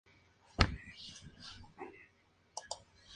Koike era considerado uno de los guionistas más brillantes de Japón.